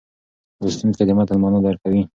لوستونکی د متن معنا درک کوي.